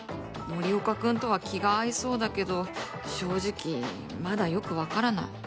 森岡君とは気が合いそうだけど正直まだよく分からない。